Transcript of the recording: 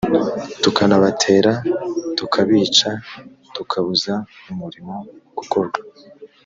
tukanabatera tukabica tukabuza umurimo gukorwa